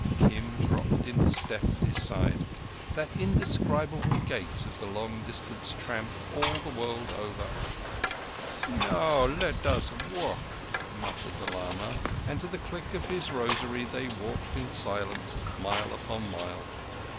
Kim dropped into step at his side—that indescribable gait of the long distance tramp all the world over. "Now let us walk," muttered the lama, and to the click of his rosary they walked in silence mile upon mile.